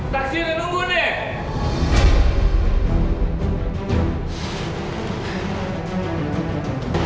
taksi udah nunggu nih